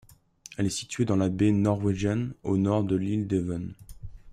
Elle est située dans la baie Norwegian au nord de l'île Devon.